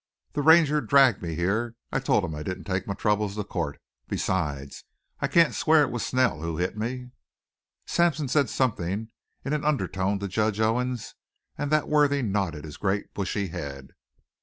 "The Ranger dragged me here. I told him I didn't take my troubles to court. Besides, I can't swear it was Snell who hit me." Sampson said something in an undertone to Judge Owens, and that worthy nodded his great, bushy head.